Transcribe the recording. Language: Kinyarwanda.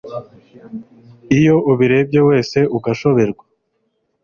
iyo ubirebye wese ugashoberwa